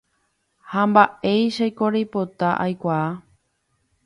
Ha mba'éichaiko reipota aikuaa